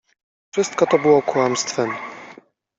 Wszystko to było kłamstwem.